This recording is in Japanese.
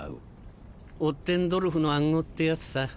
オッテンドルフの暗号ってやつさ。